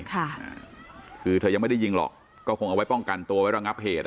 ค่ะคือเธอยังไม่ได้ยิงหรอกก็คงเอาไว้ป้องกันตัวไว้ระงับเหตุ